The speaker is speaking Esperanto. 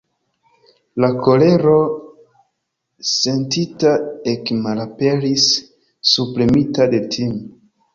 La kolero sentita ekmalaperis, subpremita de tim'.